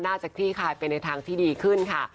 น่าจะที่คายเป็นในทางที่ดีขึ้นค่ะ